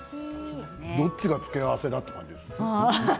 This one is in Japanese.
どっちが付け合わせだという感じです。